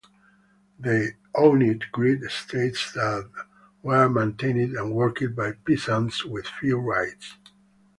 They owned great estates that were maintained and worked by peasants with few rights.